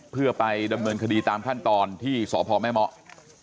เพื่อไปดำเนินคดีตามขั้นตอนที่สพแม่เมาะ